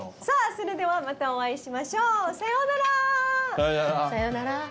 さぁそれではまたお会いしましょうさようなら。